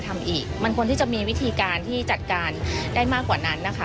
ทำอีกมันควรที่จะมีวิธีการที่จัดการได้มากกว่านั้นนะคะ